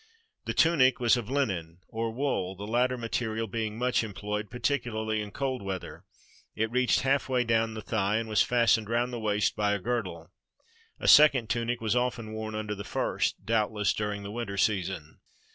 The tunic was of Unen or wool, the latter material being much employed, particularly in cold weather; it reached halfway down the thigh, and was fastened round the waist by a girdle. A second tunic was often worn under the first, doubtless during the winter season.